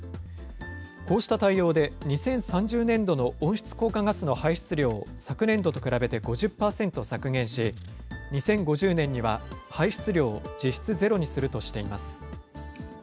こうした対応で、２０３０年度の温室効果ガスの排出量を昨年度と比べて５０％削減し、２０５０年には排出量を実質ゼロにするとしています。